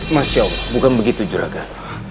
masya allah bukan begitu juragan